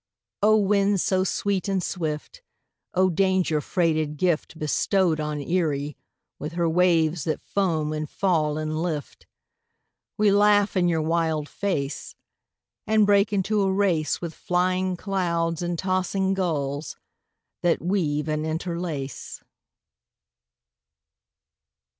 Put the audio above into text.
O! wind so sweet and swift, O! danger freighted gift Bestowed on Erie with her waves that foam and fall and lift, We laugh in your wild face, And break into a race With flying clouds and tossing gulls that weave and interlace.